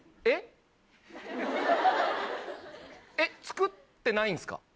えっ作ってないんすか？